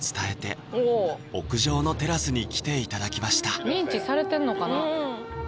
やっぱり認知されてんのかな？